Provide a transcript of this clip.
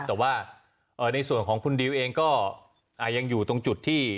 แต่ว่าในส่วนของคุณดิวเองก็ยังอยู่ตรงจุดที่